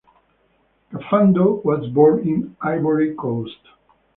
Kafando was born in Ivory Coast.